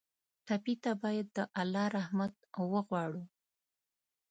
ټپي ته باید د الله رحمت وغواړو.